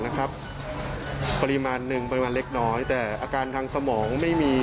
ดกปริมาณนึงแต่สมองไม่มี